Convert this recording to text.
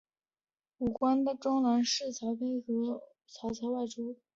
五官中郎将曹丕和王忠跟随曹操外出。